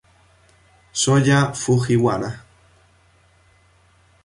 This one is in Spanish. Soya Fujiwara